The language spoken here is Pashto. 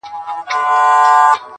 د يو ښايستې سپيني كوتري په څېر.